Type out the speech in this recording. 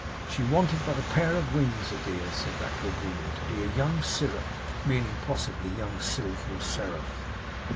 'She wanted but a pair of wings, a dear,' said that good woman, 'to be a young syrup' meaning, possibly, young sylph, or seraph.